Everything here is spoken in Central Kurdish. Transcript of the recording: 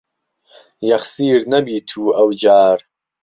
يهخسير نهبی تو ئهو جار